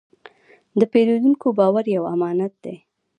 د پیرودونکي باور یو امانت دی.